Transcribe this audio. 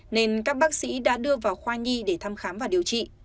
nên các bác sĩ đã đưa vào khoa nhi để thăm khám và điều trị